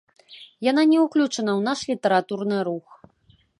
Яна не ўключана ў наш літаратурны рух.